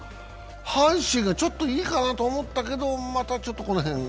阪神がちょっといいかなと思ったけど、またこの辺。